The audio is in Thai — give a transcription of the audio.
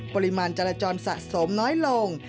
ปริมาณจราจรสะสมน้อยลง